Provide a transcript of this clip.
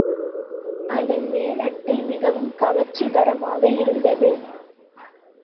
அதன் மேலட்டை மிகவும் கவர்ச்சிகரமாக இருந்தது.